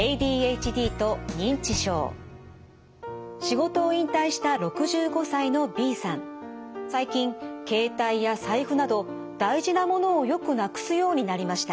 仕事を引退した最近携帯や財布など大事なものをよくなくすようになりました。